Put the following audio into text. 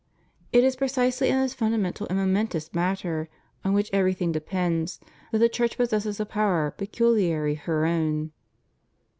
It is precisely in this fundamental and momentous matter, on which everything depends, that the Church possesses a power peculiarly her own.